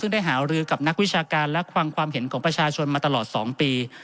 ซึ่งได้หารือกับนักวิชาการและฟังความเห็นของประชาชนมาตลอด๒ปี